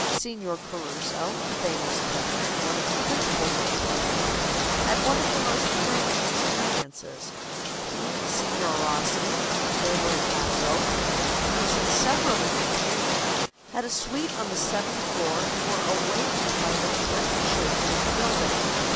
Signor Caruso, the famous tenor and one of the principals of the company, had one of the most thrilling experiences. He and Signor Rossi, a favorite basso, and his inseparable companion, had a suite on the seventh floor and were awakened by the terrific shaking of the building.